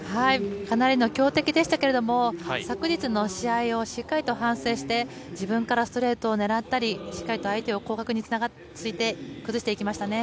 かなりの強敵でしたけれども、昨日の試合をしっかりと反省して、自分からストレートをねらったり、しっかりと相手を広角について、崩していきましたね。